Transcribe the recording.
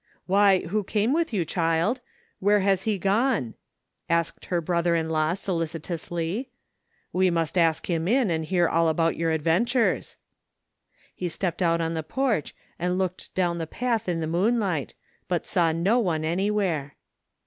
" Why, who came with you, child ? Where has he gone?" asked her brother in law solicitously. "We must ask him in and hear all about your adventures/' He stepped out on the porch and looked down the path in the moonlight, but saw no one an)nvhere.